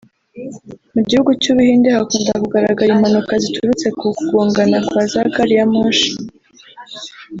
Mu gihugu cy’u Buhinde hakunda kugaragara impanuka ziturutse ku kugongana kwa za gari ya moshi